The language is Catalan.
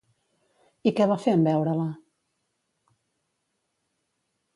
I què va fer en veure-la?